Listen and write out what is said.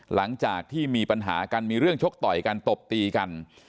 หลังจากที่มีปัญหากันมีเรื่องชกต่อยกันตบตีกัน